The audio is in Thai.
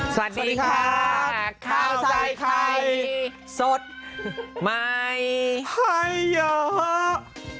สวัสดีครับข้าวใส่ไข่สดใหม่